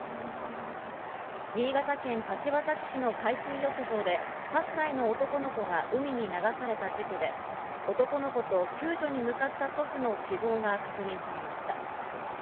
新潟県柏崎市の海水浴場で、８歳の男の子が海に流された事故で男の子と救助に向かった祖父の死亡が確認されました。